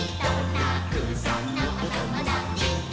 「たくさんのおともだちと」